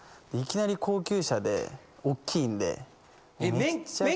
いきなり高級車でおっきいんで。